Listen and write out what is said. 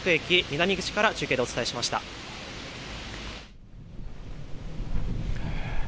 ＪＲ新宿駅南口から中継でお伝えしました。